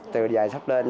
từ dài sắp lên